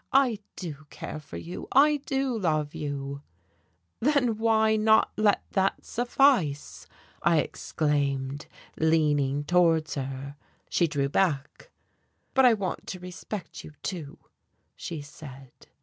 I do care for you, I do love you " "Then why not let that suffice?" I exclaimed, leaning towards her. She drew back. "But I want to respect you, too," she said.